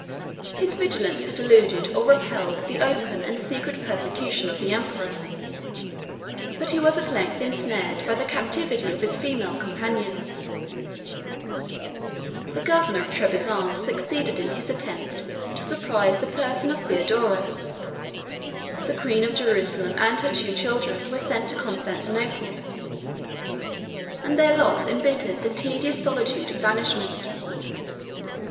His vigilance had eluded or repelled the open and secret persecution of the emperor; but he was at length insnared by the captivity of his female companion. The governor of Trebizond succeeded in his attempt to surprise the person of Theodora: the queen of Jerusalem and her two children were sent to Constantinople, and their loss imbittered the tedious solitude of banishment.